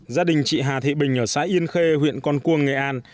gia đình chị hà thị bình ở xã yên khê huyện con cuông nghệ an